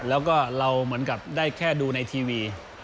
แล้วก็เราเหมือนกับได้แค่ดูในทีวี